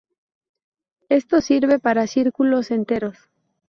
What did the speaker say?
Esto sirve para círculos enteros.